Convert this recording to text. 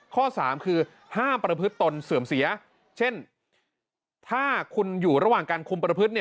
ข้อ๓คือห้ามประพฤติตนเสื่อมเสียเช่นถ้าคุณอยู่ระหว่างการคุมประพฤติ